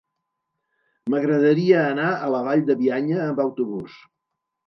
M'agradaria anar a la Vall de Bianya amb autobús.